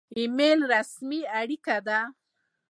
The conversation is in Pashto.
ایمیل رسمي اړیکه ده